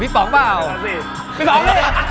พี่ป๋องมาเลยรึเปล่า